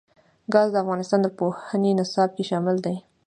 ګاز د افغانستان د پوهنې نصاب کې شامل دي.